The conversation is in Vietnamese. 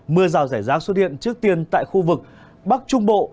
mưa rào rải rác xuất hiện trước tiên tại khu vực bắc trung bộ